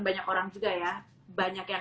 banyak orang juga ya banyak yang